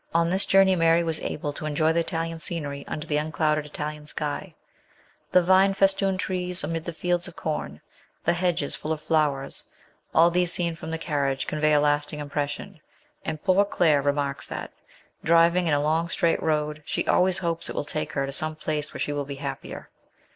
On this journey Mary was able to enjoy the Italian scenery under the unclouded Italian sky the vine festooned trees amid the fields of corn, the hedges full of flowers ; all these seen from the carriage convey a lasting impression, and poor Claire remarks that, driving in a long, straight road; she always hopes it will take her to some place where she will be happier.